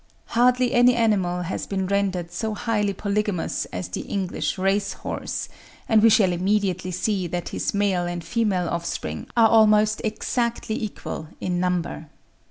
Hardly any animal has been rendered so highly polygamous as the English race horse, and we shall immediately see that his male and female offspring are almost exactly equal in number.